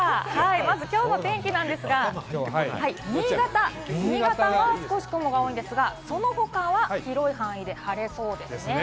まず、きょうの天気なんですが、新潟は少し雲が多いですが、その他は広い範囲で晴れそうですね。